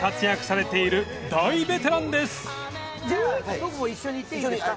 僕も一緒に行っていいですか？